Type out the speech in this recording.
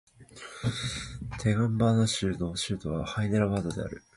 テランガーナ州の州都はハイデラバードである